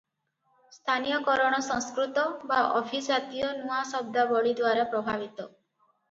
ସ୍ଥାନୀୟକରଣ ସଂସ୍କୃତ ବା ଅଭିଜାତୀୟ ନୂଆ ଶବ୍ଦାବଳୀଦ୍ୱାରା ପ୍ରଭାବିତ ।